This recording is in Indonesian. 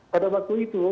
pada waktu itu